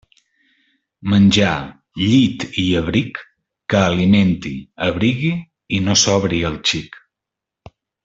Menjar, llit i abric, que alimenti, abrigui i no sobri al xic.